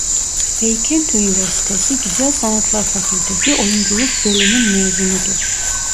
Beykent Üniversitesi Güzel Sanatlar Fakültesi Oyunculuk Bölümü mezunudur.